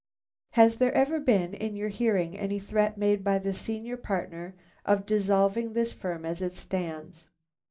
"Has there ever been in your hearing any threat made by the senior partner of dissolving this firm as it stands?"